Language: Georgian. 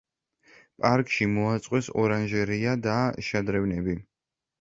პარკში მოაწყვეს ორანჟერეა და შადრევნები.